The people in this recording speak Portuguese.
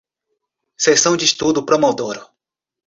Sessão de estudo pomodoro